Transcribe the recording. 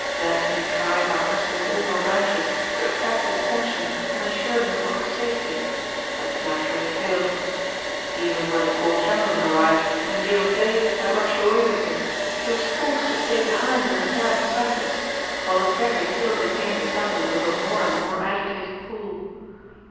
Daphne tried by rustling all her branches to attract his attention and assure him of her safety, but naturally failed. Even when the Court Chamberlain arrived and Giroflé had rushed away with him, she was forced to stay behind as an apparent cypress, while the Fairy still retained the semblance of a more and more agitated pool.